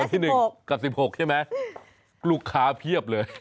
ที่๑กับ๑๖ใช่ไหมลูกค้าเพียบเลย